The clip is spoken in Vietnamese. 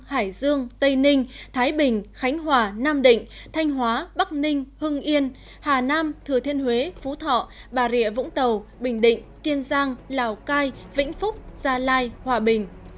hải dương tây ninh thái bình khánh hòa nam định thanh hóa bắc ninh hưng yên hà nam thừa thiên huế phú thọ bà rịa vũng tàu bình định kiên giang lào cai vĩnh phúc gia lai hòa bình